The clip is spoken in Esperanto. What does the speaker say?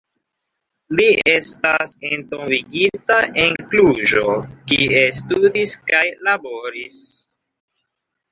Li estas entombigita en Kluĵo, kie studis kaj laboris.